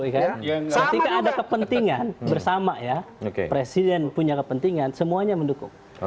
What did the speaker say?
ketika ada kepentingan bersama ya presiden punya kepentingan semuanya mendukung